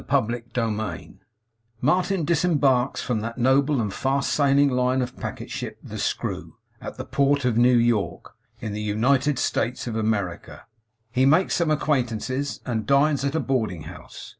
CHAPTER SIXTEEN MARTIN DISEMBARKS FROM THAT NOBLE AND FAST SAILING LINE OF PACKET SHIP, 'THE SCREW', AT THE PORT OF NEW YORK, IN THE UNITED STATES OF AMERICA. HE MAKES SOME ACQUAINTANCES, AND DINES AT A BOARDING HOUSE.